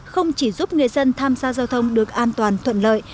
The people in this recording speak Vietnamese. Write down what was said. không chỉ giúp người dân tham gia giao thông được an toàn thuận lợi